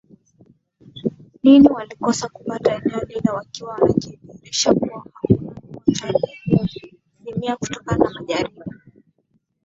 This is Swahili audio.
nini walikosa kupata eneo lile wakiwa wamejiridhisha kuwa hakuna mgonjwa aliezimia kutokana na majaribio